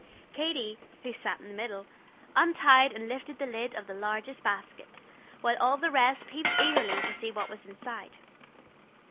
Katy, who sat in the middle, untied and lifted the lid of the largest basket, while all the rest peeped eagerly to see what was inside.